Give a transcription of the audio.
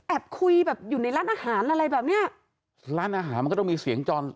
คุยแบบอยู่ในร้านอาหารอะไรแบบเนี้ยร้านอาหารมันก็ต้องมีเสียงจร